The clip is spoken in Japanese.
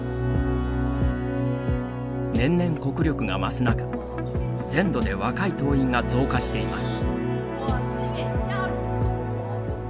年々、国力が増す中全土で若い党員が増加しています。